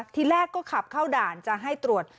ทีแรกก็ขับเข้าด่านจะให้ตรวจ